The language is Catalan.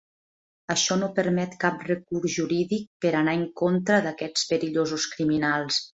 Això no permet cap recurs jurídic per anar en contra d'aquests perillosos criminals.